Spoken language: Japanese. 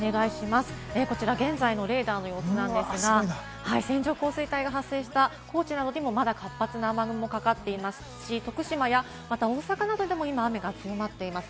こちら現在のレーダーの様子なんですが、線状降水帯が発生した高知などでもまだ活発な雨雲がかかっていますし、福島や大阪などでも今、雨が強まっています。